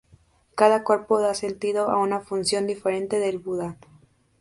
Cada cuerpo da sentido a una función diferente del Buda.